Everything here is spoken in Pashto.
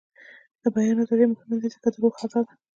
د بیان ازادي مهمه ده ځکه چې د روح غذا ده.